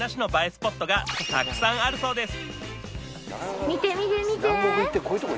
スポットがたくさんあるそうです